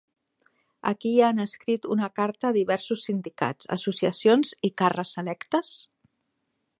A qui han escrit una carta diversos sindicats, associacions i càrrecs electes?